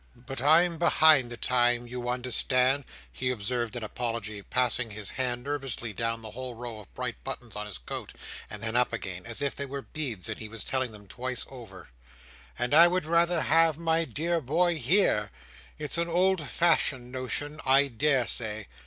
"But I'm behind the time, you understand," he observed in apology, passing his hand nervously down the whole row of bright buttons on his coat, and then up again, as if they were beads and he were telling them twice over: "and I would rather have my dear boy here. It's an old fashioned notion, I daresay.